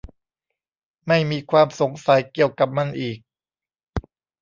ไม่มีความสงสัยเกี่ยวกับมันอีก